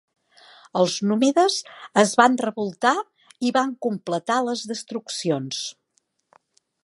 Els númides es van revoltar i van completar les destruccions.